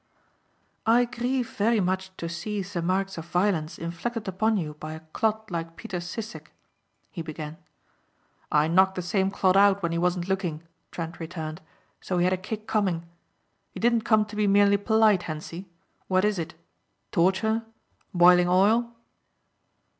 "I grieve very much to see the marks of violence inflicted upon you by a clod like Peter Sissek," he began. "I knocked the same clod out when he wasn't looking," Trent returned, "so he had a kick coming. You didn't come to be merely polite Hentzi, what is it? Torture? Boiling oil?"